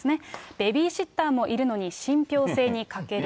ベビーシッターもいるのに信ぴょう性に欠ける。